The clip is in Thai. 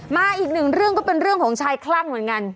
มาอีกหนึ่งเรื่องก็เป็นเรื่องของชายคลั่งเหมือนกัน